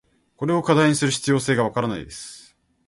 これを課題にする必要性が分からないです。